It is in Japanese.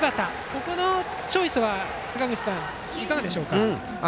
ここのチョイスはいかがでしょうか。